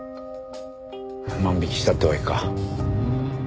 万引きしたってわけか。